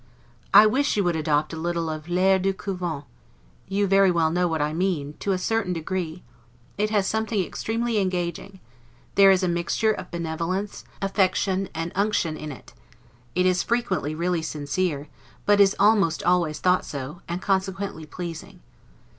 I wish you would adopt a little of 'l'air du Couvent' (you very well know what I mean) to a certain degree; it has something extremely engaging; there is a mixture of benevolence, affection, and unction in it; it is frequently really sincere, but is almost always thought so, and consequently pleasing.